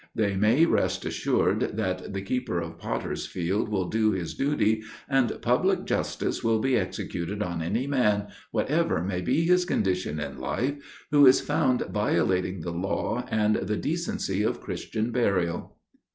They may rest assured, that the keeper of Potter's Field will do his duty, and public justice will be executed on any man, whatever may be his condition in life, who is found violating the law, and the decency of Christian burial!